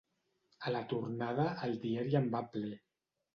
A la tornada, el diari en va ple.